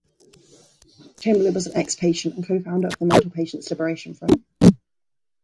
Chamberlin was an ex-patient and co-founder of the Mental Patients' Liberation Front.